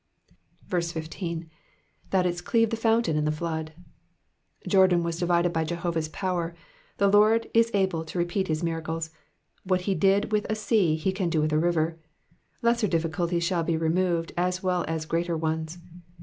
15. "'Thou didst cleave the fountain and the flood.'*'' Jordan was divided by Jehovah^s power ; the I^ord is able to repeat his miracles, what he did with a sea, he can do with a river; lesser difficulties shall be removed as well as greater ones.